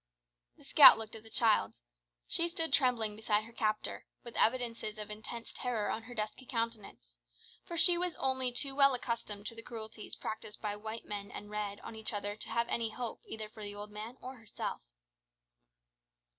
The scout looked at the child. She stood trembling beside her captor, with evidences of intense terror on her dusky countenance, for she was only too well accustomed to the cruelties practised by white men and red on each other to have any hope either for the old man or herself.